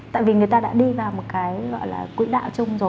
tại vì người ta đã đi vào một cái gọi là quỹ đạo chung rồi